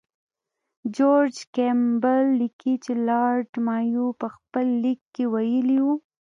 جورج کیمبل لیکي چې لارډ مایو په خپل لیک کې ویلي وو.